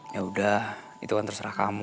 yaudah itu kan terserah kamu